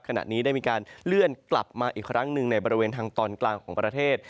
ขณะนี้ได้มีการเลื่อนกลับมาอีกครั้งหนึ่งในบริเวณทางตอนกลางของประเทศ